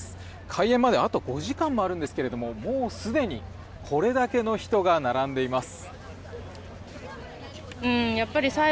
開演まであと５時間もあるんですがもうすでにこれだけの人が並んでいます。